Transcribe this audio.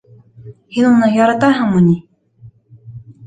Һин уны яратаһыңмы ни?